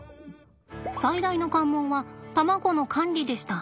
最大の関門は卵の管理でした。